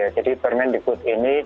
jadi permendikbud ini